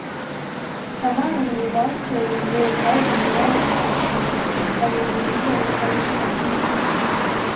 Сама арганізацыя яго ўказам была распушчана, а яе лідары арыштаваны.